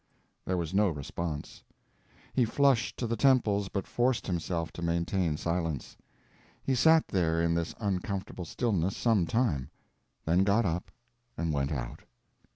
There was no response. He flushed to the temples but forced himself to maintain silence. He sat there in this uncomfortable stillness some time, then got up and went out.